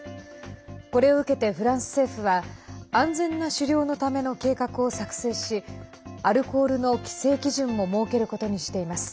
これを受けて、フランス政府は安全な狩猟のための計画を作成しアルコールの規制基準を設けることにしています。